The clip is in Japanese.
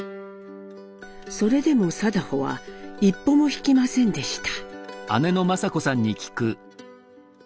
それでも禎穗は一歩も引きませんでした。